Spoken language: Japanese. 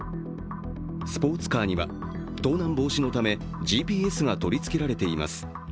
スポーツカーには盗難防止のためＧＰＳが取り付けられています。